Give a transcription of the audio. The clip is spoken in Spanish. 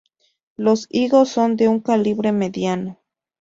Los higos son de un calibre mediano.